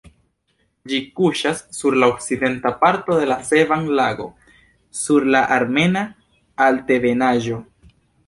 Ĝi kuŝas sur la okcidenta parto de la Sevan-lago, sur la Armena Altebenaĵo.